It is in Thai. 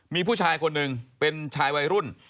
มีผู้ชายคนหนึ่งเป็นชายวัยรุ่น